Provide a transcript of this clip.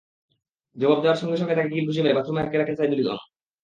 জবাব দেওয়ার সঙ্গে সঙ্গে তাকে কিল-ঘুষি মেরে বাথরুমে আটকে রাখেন সাইদুল আলম।